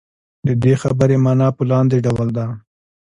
د دې خبرې معنا په لاندې ډول ده.